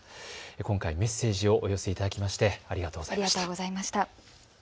今回、メッセージをお寄せいただきまして、ありがとうございました。